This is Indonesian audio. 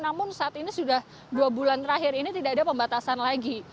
namun saat ini sudah dua bulan terakhir ini tidak ada pembatasan lagi